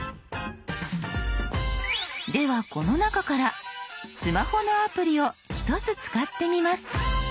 ではこの中からスマホのアプリを１つ使ってみます。